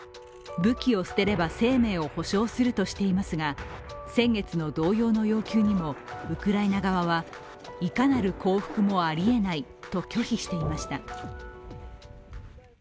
武器を捨てれば生命を保証するとしていますが、先月の同様の要求にもウクライナ側はいかなる降伏もありえないと拒否していました。